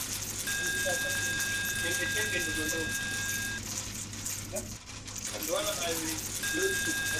nadhani bado watu wa misri hawa waliojiuzuru wameanza kutambua kwamba